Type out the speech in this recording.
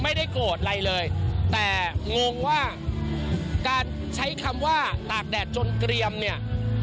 ไม่ได้โกรธอะไรเลยแต่งงว่าการใช้คำว่าตากแดดจนเกรียมเนี่ย